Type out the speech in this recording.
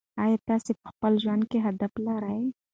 آیا تاسې په خپل ژوند کې هدف لرئ؟